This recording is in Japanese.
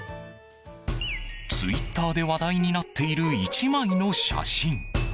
ツイッターで話題になっている１枚の写真。